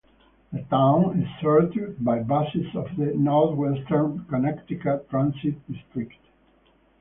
The town is served by buses of the Northwestern Connecticut Transit District.